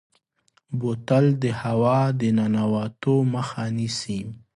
بوتل د هوا د ننوتو مخه نیسي.